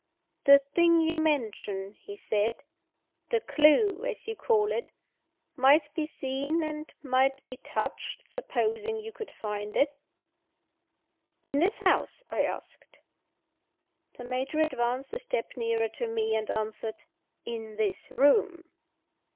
"The thing you mention," he said, "the clew (as you call it), might be seen and might be touched supposing you could find it." "In this house?" I asked. The Major advanced a step nearer to me, and answered "In this room."